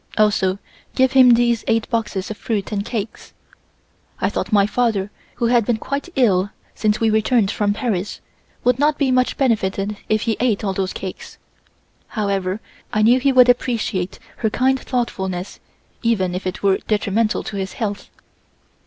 Also give him these eight boxes of fruit and cakes." I thought my father, who had been quite ill since we returned from Paris, would not be much benefited if he ate all those cakes. However, I knew he would appreciate her kind thoughtfulness even if it were detrimental to his health.